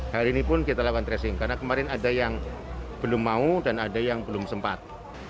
hari ini pun kita lakukan tracing karena kemarin ada yang belum mau dan ada yang belum sempat